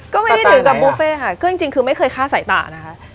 ก็ไม่ได้ถึงกับบุฟเฟ่ค่ะก็จริงคือไม่เคยฆ่าสายตานะคะ